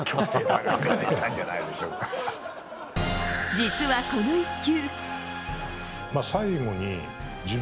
実はこの１球。